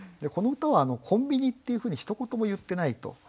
この歌は「コンビニ」っていうふうにひと言も言ってないと。